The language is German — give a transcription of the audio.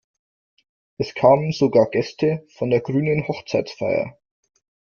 Es kamen sogar Gäste von der grünen Hochzeitsfeier.